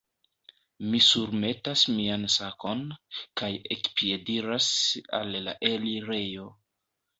Mi surmetas mian sakon, kaj ekpiediras al la elirejo.